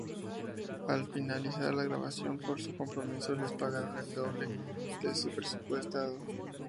Al finalizar la grabación, por su compromiso les pagaron el doble de lo presupuestado.